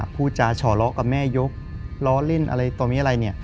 พูดจาฉอเลาะกับแม่ยกเลาะเล่นอะไรตรงนี้อะไรเนี่ย